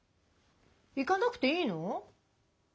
行かなくていいの？